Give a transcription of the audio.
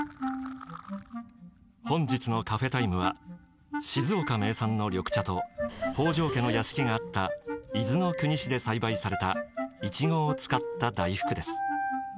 本日のカフェタイムは静岡名産の緑茶と北条家の屋敷があった伊豆の国市で栽培されたイチゴを使った大福です。